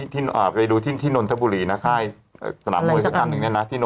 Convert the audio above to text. ไปด้วที่น้อลเทปุรีสนามมวยสกรรมนึง